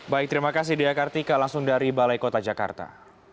baik terima kasih diakartika langsung dari balai kota jakarta